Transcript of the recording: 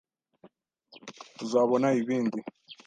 Tuzabona ibindi.